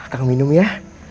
kang minum ya